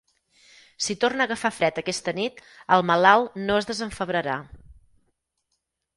Si torna a agafar fred aquesta nit, el malalt no es desenfebrarà.